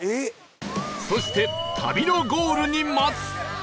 そして旅のゴールに待つ